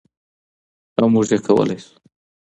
او موږ يې کولای شو.